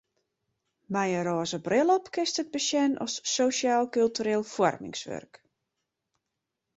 Mei in rôze bril op kinst it besjen as sosjaal-kultureel foarmingswurk.